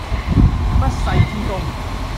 不世之功